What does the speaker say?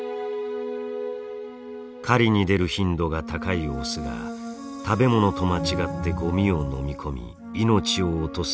狩りに出る頻度が高いオスが食べ物と間違ってゴミを飲み込み命を落とす例が増えています。